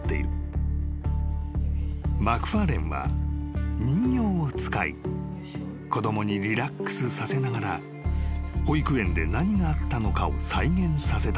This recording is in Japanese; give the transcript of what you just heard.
［マクファーレンは人形を使い子供にリラックスさせながら保育園で何があったのかを再現させたという］